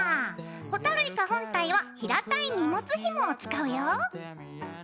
ホタルイカ本体は平たい荷物ひもを使うよ。